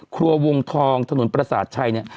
ครัววงทองถนนประสาทชัยเนี่ย